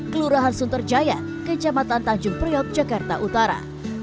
kelurahan sunterjaya kecamatan tanjung priok jakarta utara